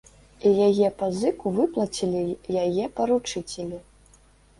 І яе пазыку выплацілі яе паручыцелі.